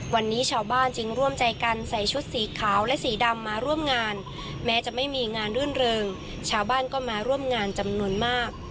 วันนี้ชาวบ้านจึงร่วมใจกันใส่ชุดสีขาวและสีดำมาร่วมงานแม้จะไม่มีงานรื่นเริงชาวบ้านก็มาร่วมงานจำนวนมาก